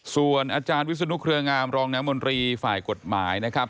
ส่วนอาจารย์วิศนุเครืองามรองน้ำมนตรีฝ่ายกฎหมายนะครับ